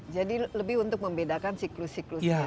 jadi lebih untuk membedakan siklus siklusnya